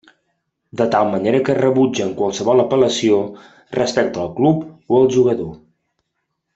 De tal manera que rebutgen qualsevol apel·lació respecte al club o el jugador.